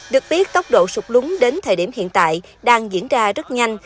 được biết tốc độ sụt lún đến thời điểm hiện tại đang diễn ra rất nhanh